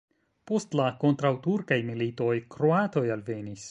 Post la kontraŭturkaj militoj kroatoj alvenis.